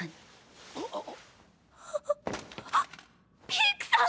ピークさん！！